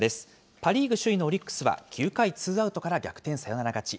パ・リーグ首位のオリックスは、９回ツーアウトから逆転サヨナラ勝ち。